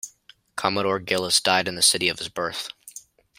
Commodore Gillis died in the city of his birth.